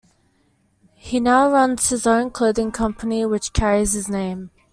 He now runs his own clothing company which carries his name.